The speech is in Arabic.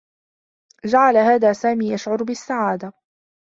جعل هذا سامي يشعر بالسّعادة.